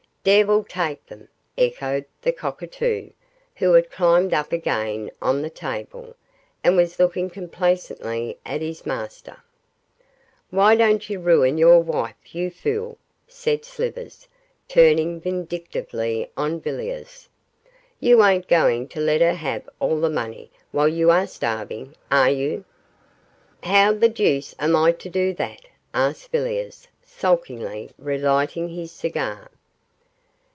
'Devil take them,' echoed the cockatoo, who had climbed up again on the table, and was looking complacently at his master. 'Why don't you ruin your wife, you fool?' said Slivers, turning vindictively on Villiers. 'You ain't going to let her have all the money while you are starving, are you?' 'How the deuce am I to do that?' asked Villiers, sulkily, relighting his cigar.